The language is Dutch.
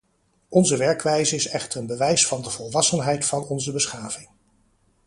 Onze werkwijze is echter een bewijs van de volwassenheid van onze beschaving.